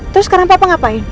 terus sekarang papa ngapain